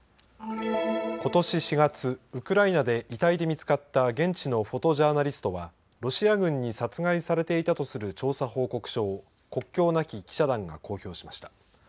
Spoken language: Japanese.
ことし４月、ウクライナで遺体で見つかった現地のフォトジャーナリストはロシア軍に殺害されていたとする調査報告書を国境なき記者団が公表しました。